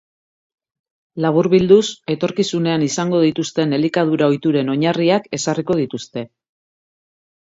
Laburbilduz, etorkizunean izango dituzten elikadura-ohituren oinarriak ezarriko dituzte.